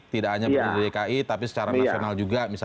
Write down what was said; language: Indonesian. tidak hanya dari dki tapi secara nasional juga